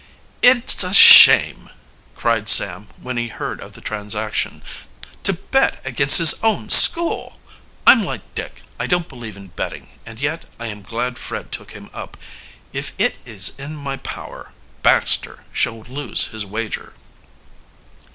"It's a shame!" cried Sam, when he heard of the transaction. "To bet against his own school! I'm like Dick I don't believe in betting, and yet I am glad Fred took him up. If it is in my power, Baxter shall lose his wager."